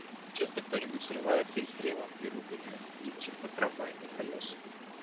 Часто кто-нибудь срывается и с ревом и руганью летит под трамвайные колеса.